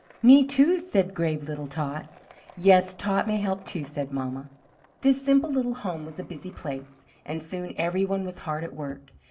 "Me, too!" said grave little Tot. "Yes, Tot may help too," said mamma. This simple little home was a busy place, and soon every one was hard at work.